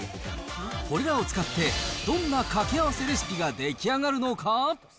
これらを使って、どんなかけあわせレシピが出来上がるのか？